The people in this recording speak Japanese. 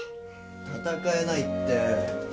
戦えないって